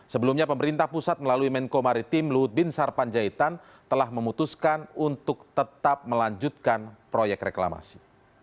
sebelumnya pemerintah pusat melalui menko maritim luhut bin sarpanjaitan telah memutuskan untuk tetap melanjutkan proyek reklamasi